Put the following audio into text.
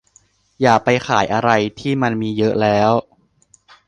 อย่าไปขายอะไรที่มันมีเยอะแล้ว